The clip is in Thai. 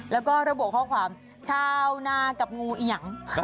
แล้วก็ระบุข้อความชาวนากับงูเอียง